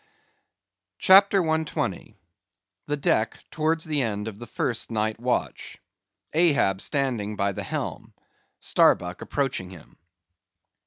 CHAPTER 120. The Deck Towards the End of the First Night Watch. _Ahab standing by the helm. Starbuck approaching him.